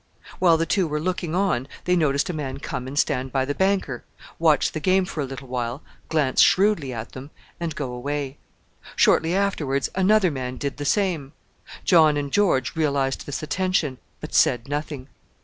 While the two were looking on they noticed a man come and stand by the banker, watch the game for a little while, glance shrewdly at them, and go away. Shortly afterwards another man did the same. John and George realised this attention, but said nothing.